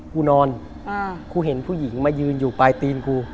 กูนอนกูเห็นผู้หญิงมายืนอยู่ปลายตีนกู